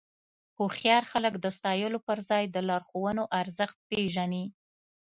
هوښیار خلک د ستایلو پر ځای د لارښوونو ارزښت پېژني.